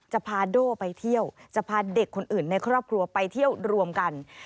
จะพาโด่ไปเที่ยวจะพาเด็กคนอื่นในครอบครัวไปเที่ยวรวมกัน